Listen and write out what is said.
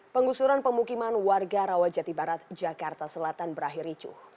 pengusuran pemukiman warga rawa jati barat jakarta selatan berakhir icu